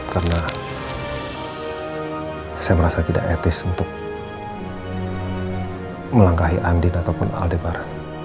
karena saya merasa tidak etis untuk melangkahi andin ataupun aldebar